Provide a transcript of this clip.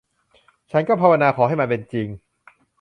ฉันก็ภาวนาขอให้มันเป็นจริง